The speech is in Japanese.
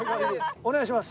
お願いします。